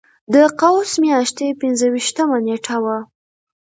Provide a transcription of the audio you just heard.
د قوس میاشتې پنځه ویشتمه نېټه وه.